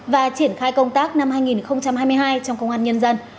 và triển khai công tác năm hai nghìn hai mươi hai trong công an nhân dân